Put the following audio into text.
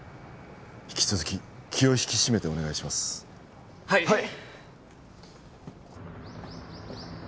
引き続き気を引き締めてお願いしますはい！